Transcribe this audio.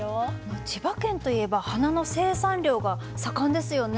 千葉県といえば花の生産量が盛んですよね。